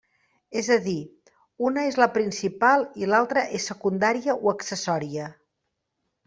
És a dir, una és la principal i l'altra és secundària o accessòria.